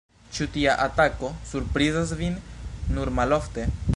Ĉu tia atako surprizas vin nur malofte?